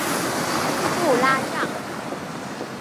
布拉让。